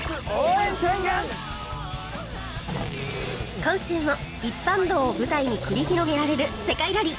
今週も一般道を舞台に繰り広げられる世界ラリー！